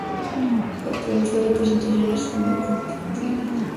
En Japón sus presentaciones son muy concurridas.